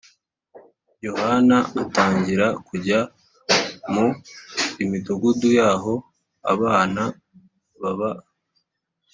Yohana atangira kujya mu imidugudu yaho abana baba